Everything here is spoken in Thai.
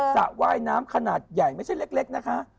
ระว่ายน้ำขนาดใหญ่ไม่ใช่เล็กนะคะ